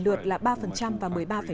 lượt là ba và một mươi ba năm